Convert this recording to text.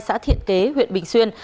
xã thiện kế huyện bình xuyên